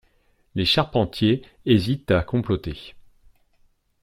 Les charpentiers hésitent à comploter.